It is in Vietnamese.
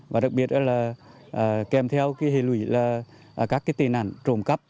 và đặc biệt là kèm theo hề lũy các tên ảnh trộm cắp